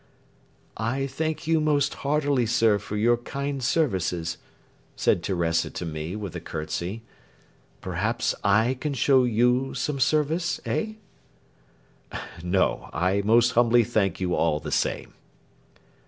"I thank you most heartily, sir, for your kind services," said Teresa to me, with a curtsey. "Perhaps I can show you some service, eh?" "No, I most humbly thank you all the same."